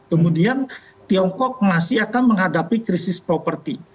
kemudian tiongkok masih akan menghadapi krisis properti